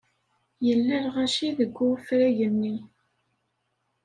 Yella lɣaci deg wefrag-nni.